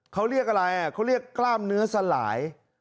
เขาเรียกอะไรเขาเรียกกล้ามเนื้อสลาย